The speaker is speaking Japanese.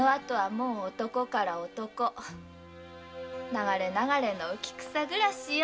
流れ流れの浮き草暮らしよ